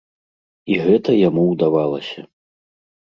І гэта яму ўдавалася.